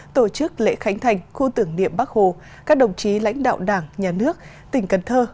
tổ chức lễ khánh thành khu tưởng niệm bắc hồ các đồng chí lãnh đạo đảng nhà nước tỉnh cần thơ